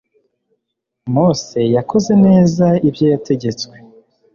mose yakoze neza ibyo yategetswe